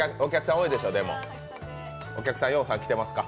お客さん、ぎょうさん来てますか？